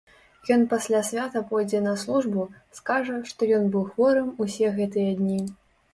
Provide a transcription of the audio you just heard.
Ён пасля свята пойдзе на службу, скажа, што ён быў хворым усе гэтыя дні.